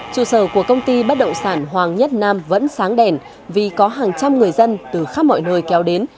trụ sở của công ty bất động sản hoàng nhất nam vẫn sáng đèn vì có hàng trăm người dân từ khắp mọi nơi kéo đến